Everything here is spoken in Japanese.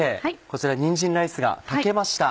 こちらにんじんライスが炊けました。